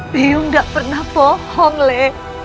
biung gak pernah bohong le